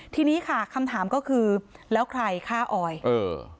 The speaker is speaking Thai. ทีนี้ค่ะคำถามก็คือแล้วใครฆ่าออยเออ